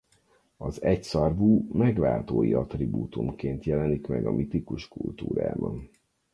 Az egyszarvú megváltói attribútumként jelenik meg a mitikus kultúrában.